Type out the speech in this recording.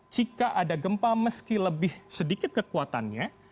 jika ada gempa meski lebih sedikit kekuatannya